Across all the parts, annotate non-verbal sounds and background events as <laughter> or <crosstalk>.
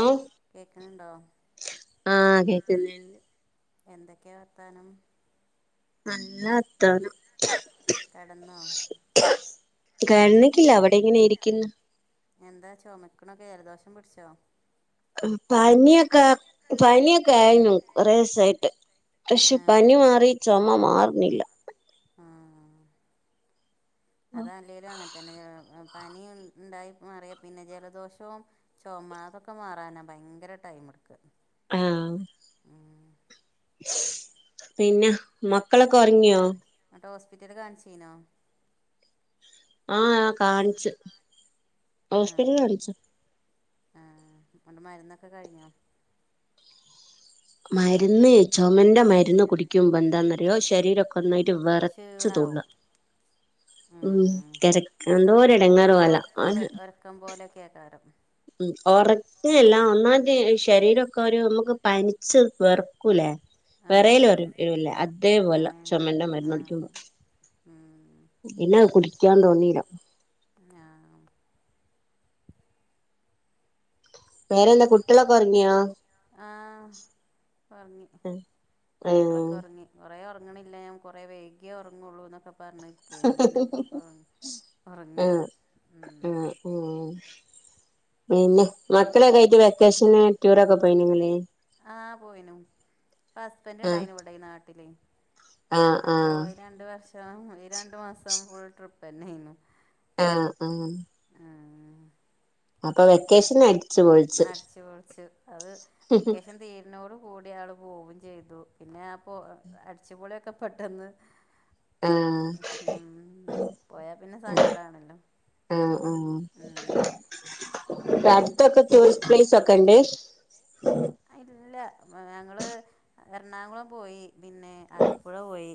ആഹ് കേക്ക്ണ് ണ്ടോ കേക്കുന്നുണ്ട് എന്തൊക്കെ വർത്താനം നല്ല വർത്താനം കിടന്നോ കെടന്ന്ക്കില്ല ഇവടങ്ങനെ ഇരിക്ക്ന്ന് എന്താ ചൊമക്ക്ണൊക്കെ ജലദോഷം പിട്ച്ചോ പനിയൊക്കെ പനിയൊക്കായിനു കൊറെസായിട്ട് പക്ഷെ പനി ആഹ് മാറി ചൊമ മാറ്ണില്ല ആഹ് അതല്ലേലും അങ്ങൻത്തന്നെ ജല <unintelligible> പനി ഉ ഇണ്ടായി മാറിയാ പിന്നെ ജലദോഷവും ചൊമ അതൊക്കെ മാറാനാ ഭയങ്കര ടൈമെട്ക്ക ആഹ് ഉം പിന്നെ മക്കളൊക്കെ ഒർങ്ങിയോ ന്നട്ട് ഹോസ്പിറ്റല് കാൺച്ചീനോ ആഹ് ഞാൻ കാണിച്ച് ഹോസ്പിറ്റൽ ആഹ് കാണിച്ച് ആഹ് ഇങ്ങട്ട് മര്ന്നൊക്കെ കഴിഞ്ഞോ മര്ന്ന് ചൊമന്റെ മര്ന്ന് കുടിക്കുമ്പോ എന്താന്നറിയോ ശരീര ഒന്നായിട്ട് വെറച്ച് ക്ഷീണാവും തുള്ളാ ഉം കെതക്ക് എന്തോ ഒരു എടങ്ങേറ് പോല ആണ് ട്ടം പോലെകേക്കാരം ഉം ഒറക്കല്ലാ ഒന്നാതെ ശരീരൊ ക്കൊരു നമുക്ക് പനിച്ച് വെറക്കൂലേ ആഹ് വെറയല് വെരൂലെ അതേപോലെ ആഹ് ചൊമേന്റെ ആഹ് മരുന്ന്കുടിക്കുമ്പോ ഉം ഇല്ല കുടിക്യാൻ തോന്നീല്ല ആഹ് വേറെന്താ കുട്യളൊക്കെ ഒറങ്ങ്യോ ആഹ് ഒർങ്ങി ആഹ് മക്കളൊക്കെ ആഹ് ഒർങ്ങി കൊറെേ ഒറങ്ങ്ണില്ല ഞാൻ കൊറേ വൈക്യെ ഒറങ്ങൊള്ളൂന്നൊക്കെ പർഞ്ഞ്ക്കേനി പിന്നെപ്പൊ പ്പൊ ഒറങ്ങി ഉം ഉം പിന്നെ മക്കളൊക്കായിട്ട് വെക്കേഷന് ടൂറൊക്കെ പോയ്നിങ്ങലെ ആഹ് പോയീനു ഇപ്പ ആഹ് ഹസ്ബൻറ്ണ്ടായിനു ഇവടെ നാട്ടിലെ ആഹ് അപ്പൊ ആഹ് ഈ രണ്ട് വർഷം ഈ രണ്ടു മാസം ഫുൾ ട്രിപ്പന്നേന്നു ആഹ് ആഹ് ആഹ് അപ്പൊ വെക്കേഷനടിച്ചു പൊൾ അടിച്ചു പൊളിച്ചു അത് വെക്കേഷൻ തീ ന്നോട് കൂടി ആൾ പോവും ചെയ്തു പിന്നെ ആ പോ അടിച്ചുപൊളിക്കെ പെട്ടെന്ന് ആഹ് തീർന്നു ഉം പോയാ പിന്നെ സങ്കടാണല്ലോ ആഹ് ആഹ് ഉം അടുത്തൊക്കെ ടൂറിസ്റ്റ് പ്ലേസൊക്കെണ്ട് ഇല്ല ഞങ്ങള് എറണാകുളം പോയി പിന്നെ ആലപ്പുഴ പോയി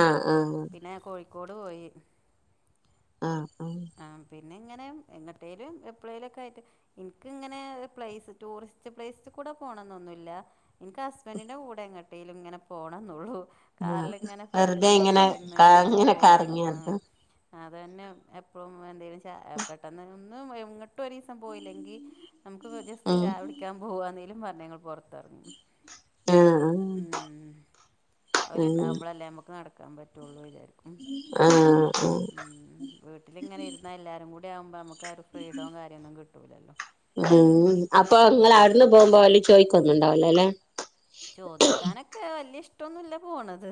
ആഹ് ആഹ് പിന്നെ കോഴിക്കോട് പോയി ആഹ് ആഹ് ആഹ് പിന്നെങ്ങനെ എങ്ങട്ടേലും എപ്പളേലൊക്കായിട്ട് ഇൻക്ക്ങ്ങനെ പ്ലേസ് ടൂറിസ്റ്റ് പ്ലേസ്റ്റ്കൂടെ പോണന്നൊന്നുല്ല എനിക്ക് ഹസ്ബൻറിന്റെ കൂടെ എങ്ങട്ടേലും ഇങ്ങനെ പോണ എന്നള്ളു ആഹ് കാറിലിങ്ങനെ ഫ്രണ്ട് വെറുതെ ഇങ്ങനെ സീറ്റിലിരുന്ന് ക ഇങ്ങനെ പോണത് കറങ്ങി നടക്കും ആ അതന്നെ എപ്പഴും എന്തേലും ചാ പെട്ടെന്ന് ഒന്നും ഇങ്ങട്ടും ഒട്ട ഒരു ദിവസം പോയില്ലെങ്കിൽ എനിക്ക് ഒരു ദിവസം പോയില്ലെങ്കിൽ നമുക്ക് ജസ്റ്റ് ഉം ചാ യ കുടിക്കാൻ പോവാന്നെങ്കലും പറഞ്ഞു ഞങ്ങൾ പുറത്തിറങ്ങും ആഹ് ഉം ഉം അവരുണ്ടാകുമ്പോഴല്ലേ നമുക്ക് നടക്കാൻ പറ്റുള്ളൂ ഇല്ലേ ഉം ആഹ് ആഹ് വീട്ടിലിങ്ങനെ ഇരുന്ന എല്ലാരും കൂടി ആവുമ്പോ നമുക്ക് ക്കാരു ഫ്രീഡവും കാര്യൊന്നും കിട്ടൂല്ലല്ലോ ഉം അപ്പൊ നിങ്ങൾ അവിടുന്ന് പോകുമ്പോ അവർ ചോദിക്കൊന്നുംണ്ടാവല്ലോ അല്ലെ ചോദിക്കാനൊക്കെ വലിയ ഇഷ്ടൊന്നുമല്ല പോണത്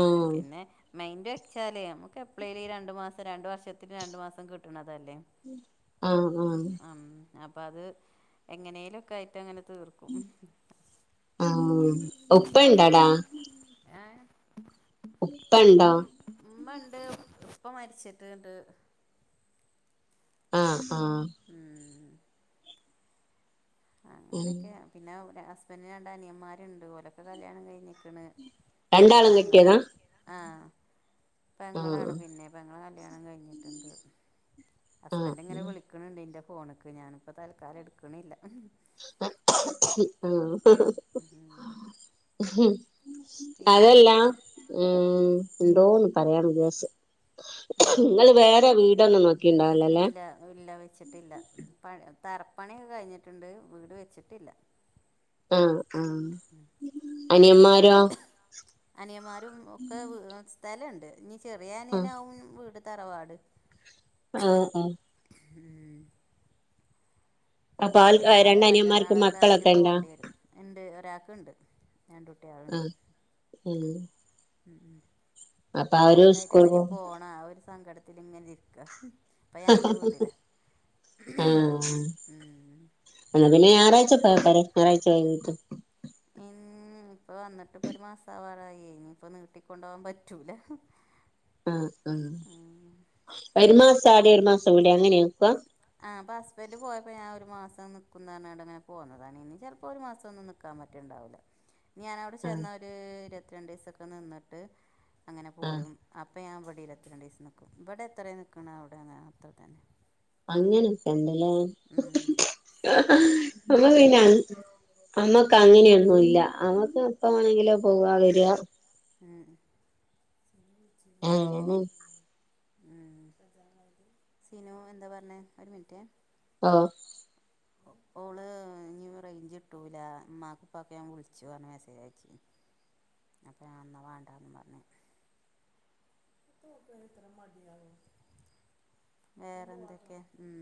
ആഹ് പിന്നെ മൈൻറ് വെച്ചാലേ നമുക്ക് എപളെലുംഈ രണ്ട് മാസം രണ്ട് വർഷത്തി രണ്ട് മാസം കിട്ടണതല്ലേ ആഹ് ആഹ് ഉം അപ്പൊ അത് എങ്ങനെലൊക്കെ ആയിട്ട് അങ്ങനെ തീർക്കും ഉം ഉപ്പ ഇണ്ട്ടാ ഏ ഉപ്പ ഉണ്ടോ ഉമ്മ ഇണ്ട് ഉപ്പ മരിച്ചിട്ട് ഇണ്ട് ആഹ് ആഹ് ഉം ഉം ഉം അങ്ങനെയൊക്കെയാ പിന്നെ ഹസ്ബനന്റിന് രണ്ട് അനിയന്മാരുണ്ട് ഓലൊക്കെ കല്യാണം കഴിഞ്ഞിക്കണ് പിന്നെ ഒരു രണ്ടാളും പെങ്ങള കെട്ടിയതാ ആഹ് ആഹ് പെങ്ങളാണ് പിന്നെ പെങ്ങള കല്യാണം കഴിഞ്ഞിട്ടുണ്ട് ആഹ് ഹസ്ബൻറ് ഇങ്ങനെ വിളിക്കണിണ്ട് എന്റെ ഫോണ്ക്ക് ഞാനിപ്പ തൽക്കാലം എടുക്കണില്ല ഉം ഉം പിന്നെ അതല്ലാ എന്തൊക്കെയാ ഉം ന്തോന്ന് പറയാംന്ന് വിചാരിചെ ആഹ് നിങ്ങള് വേറെ വീടൊന്നും നോക്കിണ്ടാവലോല്ലേ ഇല്ല ഇല്ല വെച്ചിട്ടില്ല തറപ്പണിയൊക്കെ കഴിഞ്ഞിട്ടുണ്ട് വീട് വെച്ചിട്ടില്ല ഉം ഉം അനിയൻ മാരോ അനിയന്മാരും ഒക്കെ സ്ഥലമുണ്ട് ഇനി ചെറിയ ആ അനിയനാവും വീട് തറവാട് ഉം ഉം ഉം ആൾ അപ്പൊ നാളെ രണ്ട് അനിയന്മാർക്ക് മറ്റന്നാള ഒക്കെ ആയിട്ട് മക്കളൊക്കെ ഇണ്ടാ പോകേണ്ടി വരും ഉണ്ട് ഒരാൾക്കുണ്ട് രണ്ട് കുട്ടികൾ ആ ഉണ്ട് ഉം ഉം അപ്പൊ അവര് നാളക്കെ ആയിട്ട് സ്കൂൾ ഇപ്പ ഇനി പോകും പോണം ആ ഒരു സങ്കടത്തി ഇങ്ങനെ ഇരിക്ക ഇപ്പം ഞാൻ എൻ്റെ വീട്ടില എന്നാൽ പിന്ന ഞായറാഴ്ച്ച പോയ പോരെ ഞായറാഴ്ച വൈകിട്ട് ഉം ഇപ്പൊ വന്നിട്ട് ഇപ്പൊ ഒരു മാസം ആവാറായി ഇനി ഇപ്പ നീട്ടി കൊണ്ട പോകാൻ പറ്റൂല ആ ആ ഒരു മാസം ആടെ ഒരു മാസം ഇടെയും അങ്ങനെയ നിൽക്കുക ആ അപ്പൊ ഹസ്ബന്റ് പോയപ്പോ ഞാൻ ഒരു മാസം നില്കുന്നെ പറഞ്ഞു കൊണ്ട് പോന്നതാണ് ഇനി ചിലപ്പോൾ ഒരു മാസമൊന്നും നില്കാൻ പറ്റലുണ്ടാവില്ല ഇനി ഞാൻഅ വിടെ ആ ചെന്ന ഒരു ഇരുപത്തിരണ്ട് ദിവസൊക്കെ നിന്നിട്ട് അങ്ങനെ ആ പോരും അപ്പോം ഞൻ ഇവിടെയും ഇരുപത്തിരണ്ട് ദിവസം നില്കുംഇവിടെ എത്ര നില്കുന്നെ അവിടെയും അത്രതന്നെ അങ്ങനൊക്കെ ഉണ്ട് അല്ലെ ഉം ഞമ്മൾ പിന്നെ ആണ് നമ്മക്ക് അങ്ങനെയൊന്നും ഇല്ലനമ്മക്ക് എപ്പോ വേണമെങ്കിലും പോക വരിക ആ ഉ അങ്ങനെ സീനു എന്താ പറഞ്ഞത് ഒരു മിനിറ്റേ ആ ഓള് ഇ റേഞ്ച് കിട്ടൂല ഇമ്മാക്കിപ്പാക്ക് ഞാൻ വിളിച്ചു പറഞ്ഞ് മെസ്സേജ് അയച്ച അപ്പ ഞാഎന്നാ വേണ്ടാന്നും പറഞ്ഞ് <unintelligible> ഇത്ര മടിയാവ്ന്ന് വേറെന്തൊക്കെയാ ഉം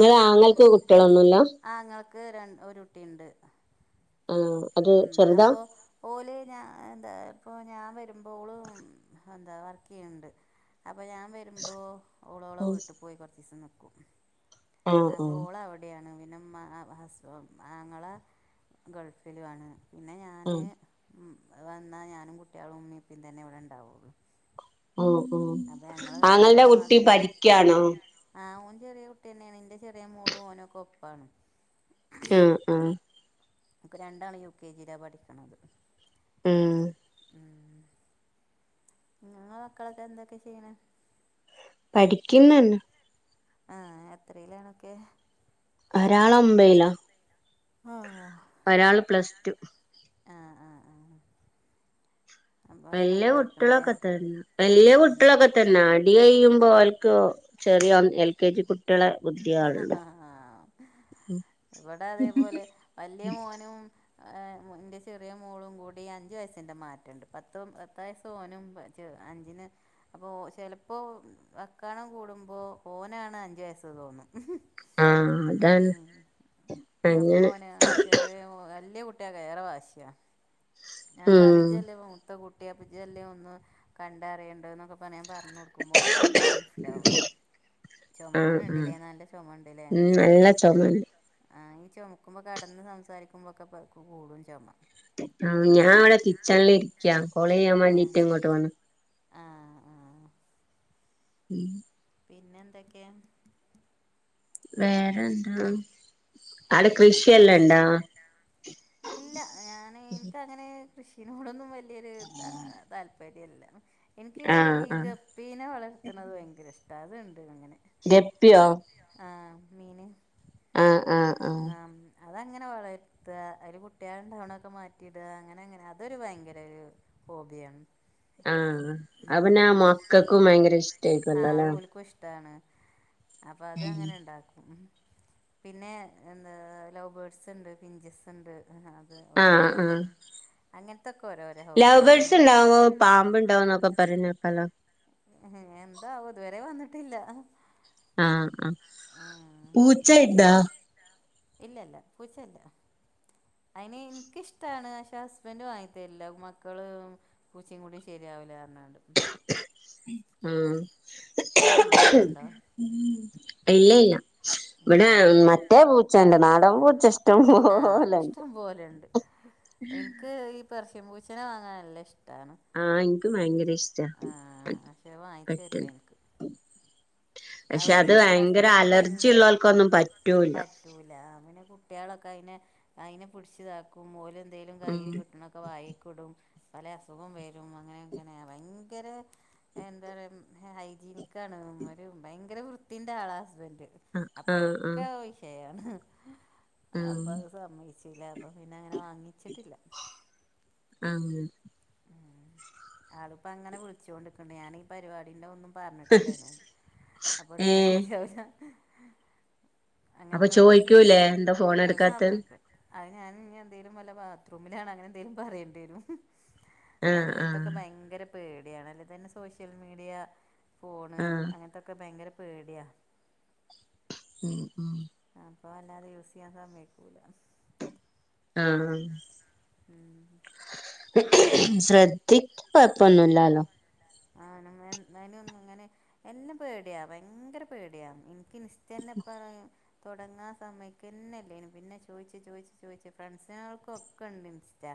ഇങ്ങളാങ്ങൾക്ക് കുട്ട്യയളൊന്നുല്ല ആങ്ങൾക്ക് രൻ ഒരുകുട്ടിയിണ്ട് ഹ് ആ അത് ഉം ചെറുതാ അപ്പൊ ഓല് ഞാ എന്താ ഇപ്പൊ ഞാൻ വരുമ്പോളും ഉം ഹ് എന്താ വർക്കെയ്ണണ്ട് അപ്പൊ ഞാൻ വരുമ്പോ ഓളോള വീട്ടിപോയി കൊറച്ചീസം നിക്കും ആ ആ അപ്പോ ഓളവിടെയാണ് പിന്ന മഅ ഹസു ആങ്ങള ഗൾഫിലു ആണ് പിന്നെ ആ ഞാന് ഉം വന്നാ ഞാനും കുട്ടിയളുമ്മയുപ്പയും തന്നെ ഇവിടെണ്ടാവുള്ളു ഉം ഉം ആങ്ങൾന്റെ ഞങ്ങൾ കുട്ടി മാത്രം പഠിക്കാണോ ആ ഓൻ ചെറിയ കുട്ടിയന്നെയാണെന്റെ ചെറിയ മോളു ഓനൊക്കെ ഒപ്പാണ് അഹ് ആഹ് അൻക്ക് രണ്ടാളും യു കെ ജിയില പഠിക്കണത് ഉം ആഹ് നിങ്ങളെ മക്കളൊക്കെ എന്തൊക്കെ ചെയ്യണെ പഠിക്ക്ന്നയാണ് ആ എത്രയിലാണൊക്കെ ഹ് ഒരാളൊമ്പയ്ല ആഹ ഒരാള് പ്ലസ് ടു ആഹ് ആഹ് ആഹ് അപ്പൊ വല്യ മക്കളായിക്കണല്ലേ കുട്ടിയളൊക്കെ തന്ന വല്യ ഉം കുട്ടിയളൊക്കെ ത പിന്ന അടി അയ്യുമ്പോ ഓൽക്ക് ചെറിയ ഒ എൽ കെ ജി കുട്ടിയളെ അഹ ഹ ഹാ ഇവിടെ അതേപോലെ വല്യ മോനും എ മെ ഇന്റെ ചെറിയ മോളും കൂടി അഞ്ചു വയസിന്റെ മാറ്റണ്ട് പത്തും പത്ത് വയസ്സ് ഓനും ച് അഞ്ചിന് അപ്പോ ചെലപ്പോ വക്കാണം കൂടുമ്പോ ഓനാണഞ്ച് വയസ് ന്ന്തോന്നും ആഹ് അതാണ് ഉഹ് ആ അങ്ങനെ അപ്പോന് അ ചെറിയ വല്യ കുട്ടിയാ ഏറെ വാശിയാ ഞാൻ പറയും ഉം ഇജ്ജല്ലേ മൂത്ത കുട്ടി അപ്പേ ഇജ്ജല്ലേ ഒന്ന് ഹ് കണ്ടറിയണ്ടേന്നൊക്കെ പ അപ്പ ഞാൻ പറഞ്ഞാടുക്കും ഓനഒന്നും മനസ്സ്ലാവൂല ആഹ് ചൊമക്ക്ണ് ആഹ് ണ്ടില്ലേ നല്ല ചൊമ ഇണ്ടില്ലേ ഉം നല്ല ചൊമണ്ട് ചൊമ ആ ഈ ചൊമക്കുമ്പോ കെടന്ന് സംസാരിക്കുമ്പോക്കെ പ കൂടുംചൊമ ആ ഞാൻ ഇവിടെ കിച്ചണിലിരിക്ക കോളെയ്യാൻ വേണ്ടിട്ട് ഇങ്ങോട്ട് വന്നേ ആഹ ആഹ ഉം പിന്നന്തൊക്കെയാ വേറെന്താ അവിടെ ഹസ്ബൻഡ് കൃഷിയെല്ലാം കൃഷി ഇണ്ടാ വതും ഇണ്ടോ ഇല്ല ഞാനെനിക്കങ്ങനേ കൃഷിനോടൊന്നും വല്ല ല്ലരു താ താല്പര്യല്ല ഉം എനിക്ക് ആഹ് ഈ ആഹ് ഗ പ്പീനെ വളർത്തണത് ഭയങ്കര ഇഷ്ട അത്ണ്ട് അങ്ങനെ ഗപ്പിയോ ഗപ്പിയോ ആ മീന് ആഹ ആഹ ആാം അതങ്ങനെ വളർത്ത അയില് കുട്ട്യാളണ്ടാവണൊക്കെ മാറ്റിട അങ്ങനെ അങ്ങനെ അതൊരു ഭയങ്കര ഒരു ഓബിയണ് ആഹ അയ്പിന്ന മക്കക്കും ഭയങ്കര ഇഷ്ടേരിക്കും അല്ലല്ലേ ക്കും ഇഷ്ടാണ് അപ്പൊ അത് അങ്ങനെ ഇണ്ടാക്കും പിന്നെ എന്താ ലവ് ബേർഡ്സ് ഇണ്ട് പിഞ്ചിസ് ഇണ്ട് അത് ആഹ് രണ്ടും അങ്ങനത്തൊക്കെ ഒരോ ലവ് ബേർഡ്സ് ഇണ്ടാവുമ്പോ പാമ്പ് ഇണ്ടാവോന്നൊക്കെ പറഞ്ഞ്ക്കേക്കാലോ ഉം എന്താവുവേ ഇതുവരെ വന്നിട്ടില്ലാ ആഹ് ആഹ് പൂച്ചാ ഇണ്ടാ ഇല്ല ഇല്ല പൂച്ചയില്ലാ അയിന് ഇനിക്കിഷ്ടമാണ് പശെ ഹസ്ബൻഡ് വാങ്ങിതേരില്ലാ മക്കള് പൂച്ചിമ് കൂടിയും ശെരിയാവില്ലാന്നാണ്ട് ഉം അവിടെ ഉണ്ടോ പൂച്ചയുണ്ടോ ഇല്ല ഇല്ല ഇവടെ ഉം മറ്റേ പൂച്ചാ ഇണ്ട് നാടൻ പൂച്ചാ ഇഷ്ടം പോലെണ്ട്‌ ലണ്ട് എക്ക് ഈ പെർസ്യം പൂച്ചനെ വാങ്ങാനാ നല്ലാ ഇഷ്ടാണ് ആഹ് എനിക്ക് ബയങ്കര ഇഷ്ട പെ പക്ഷെ വാങ്ങിച്ചു പെറ്റ് അഹ് പശെ ഭയങ്കര ഹസ്ബൻഡ് അലർജി ബയങ്കര ഉള്ളോൽക്കൊന്നും പറ്റൂല പറ്റ റ്റൂല്ലാ അങ്ങനെ കുട്ടികളൊക്കെ അയ്നെ അയ്നെ പിടിച്ച് ഇത ക്കും ഓല് എന്തെലും കയ്യില് ഉം കിട്ടണൊക്കെ വായിക്ക് ഇടും പലാ അസുഖം വെരും അങ്ങനെ അങ്ങനെ ബയങ്കര എന്താ പറയാ ഉം ഹൈജീനിക്കാണ് ഇവമ്മാര് ബയങ്കര വൃത്തിന്റെ ആളാ ഹസ്ബൻഡ് ആഹ് അപ്പൊ ആഹ് ആഹ് ഒക്കെ സ് യെയാ അപ്പൊ ആഹ് അത് സമ്മോച്ചില്ലാ അപ്പേ പിന്നെ അങ്ങനെ വാങ്ങിച്ചിട്ടില്ലാ ആഹ് ഉം ആളിപ്പേ അങ്ങനെ വിളിച്ചോണ്ട് ഇക്കണ്ട് ഞാന് ഈ പരിപാടിന്റെ ഒന്നും പറഞ്ഞിട്ടില്ല ആയിനോട് അപ്പെ ഇടുത്താല് ഏഹ് ശരിയാവൂല അപ്പൊ അങ്ങനത്തെ ഒന്നും ചോയിക്കൂലേ ഇഷ്ടല്ലാ എന്താ ഫോൺ അത് എടുക്കാത്തെ സമയ അഹ് ഞാന് ഈ എന്തേലും വല്ലാ ബാത്റൂമിലാണ് അങ്ങനെ എന്തേലും പറയേണ്ടിവരും ആഹ് അയിന് ആഹ് ഇങ്ങൻത്തൊക്കെ ബയങ്കര പേടിയാണ് അല്ലെ തന്നെ സോഷ്യൽ മീഡിയ ഫോണ് ആഹ് അങ്ങൻത്തൊക്കെ ബയങ്കര പേടിയാ ഉം ഉം അപ്പൊ അല്ലാതെ യൂസ് ചെയ്യാൻ സമ്മേയ്ക്കൂല്ലാ ആഹ് ഉം ശ്രദ്ധി കൊഴ്പ്പൊന്നു ഇല്ലാല്ലോ ആഹ് <unintelligible> ഇങ്ങനെ എല്ലാം പേടിയാ ബയങ്കര പേടിയാ എനിക്ക് <unintelligible> <unintelligible> ഇപ്പള് തൊടങ്ങാൻ സമ്മയ്ക്കന്നെല്ലേനു പിന്നെ ചോയ്ച്ച് ചോയ്ച്ച് ചോയ്ച്ച് ഫ്രണ്ട്സാൾക്ക് ഒക്കെ ഇണ്ട് ഇൻസ്റ്റാ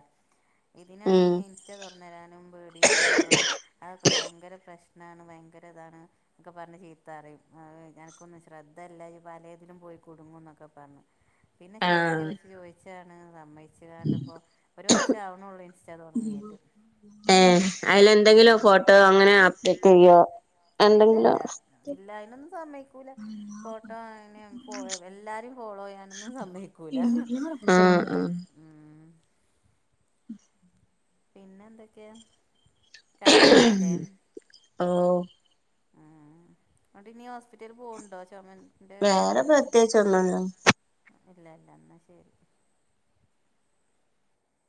ഉം ഇതിനാണെങ്കി ഇൻസ്റ്റ തൊർന്നരാനും പേടിയാ അപ്പൊ അതൊക്കെ ബയങ്കര പ്രശ്നാണ് ബയങ്കര ഇതാണ് ഒക്കെ പർഞ്ഞ് ചീത്താറയും <unintelligible> അനക്ക് ഒന്നും ശ്രദ്ധല്ലാ ഇജ് പലേത്ലും പോയി കുടുങ്ങും ന്നൊക്കെ പർഞ്ഞ് പിന്നെ ചോയിച്ചു ആഹ് ചോയിച്ചു ചോയിച്ചാണ് സമ്മേ <unintelligible> ഇപ്പോ ഒര് വർഷം ആ വ്ണേ ഒള്ളൂ ഇൻസ്റ്റ തൊടങ്ങിയിട്ട് ഏഹ് അയ്ല് എന്തെങ്കിലും ഫോട്ടോ അങ്ങനെ അപ്ഡേറ്റയ്യോ ഇല്ല ഇല്ല എന്തെങ്കിലും ഇല്ല അയ്നൊന്നും സമ്മേ ക്കുല്ലാ ഫോട്ടോ <unintelligible> എല്ലാരും ഫോളോ ചെയ്യാനൊന്നും സമ്മേയിക്കൂല്ലാ ആഹ് ആഹ് ആഹ് പിന്നെ എന്തക്ക്യയാ കെടക്കാനായില്ലേ ഓഹ് ആഹ് അങ്ട്ട് ഇനി ഹോസ്പിറ്റലി പോൺണ്ടോ ചൊ വേറെ പ്രത്യേകിച്ച് ഒന്നും ഇല്ലാ ഇല്ല ഇല്ല എന്നാ ശരി